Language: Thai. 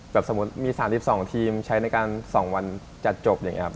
สมมุติมี๓๒ทีมใช้ในการ๒วันจัดจบอย่างนี้ครับ